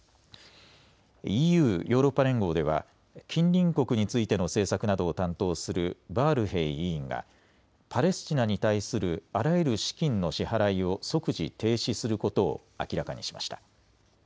ＥＵ・ヨーロッパ連合では近隣国についての政策などを担当するバールヘイ委員がパレスチナに対するあらゆる資金の支払いを即時停止することを明らかにしました。